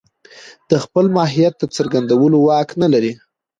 د خپل ماهيت د څرګندولو واک نه لري.